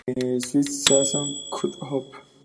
Suicide Season:Cut Up!